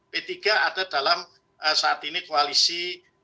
p tiga ada dalam saat ini koalisi